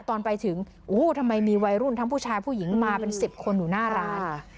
ตอนไปถึงโอ้โหทำไมมีวัยรุ่นทั้งผู้ชายผู้หญิงมาเป็น๑๐คนอยู่หน้าร้าน